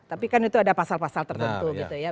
tapi kan itu ada pasal pasal tertentu gitu ya